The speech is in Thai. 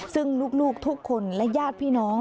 ซึ่งลูกทุกคนและญาติพี่น้อง